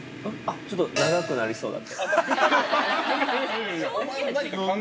◆ちょっと長くなりそうだったから。